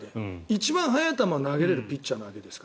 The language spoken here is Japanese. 一番速い球を投げられるピッチャーなんです。